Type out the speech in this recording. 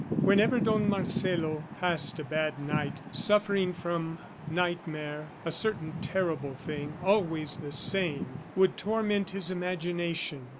Whenever Don Marcelo passed a bad night, suffering from nightmare, a certain terrible thing always the same would torment his imagination.